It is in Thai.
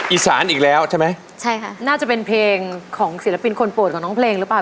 อีสานอีกแล้วใช่ไหมใช่ค่ะน่าจะเป็นเพลงของศิลปินคนโปรดของน้องเพลงหรือเปล่า